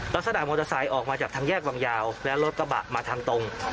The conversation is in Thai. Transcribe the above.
ลักษณะมอเตอร์ไซค์ออกมาจากทางแยกวังยาวและรถกระบะมาทางตรง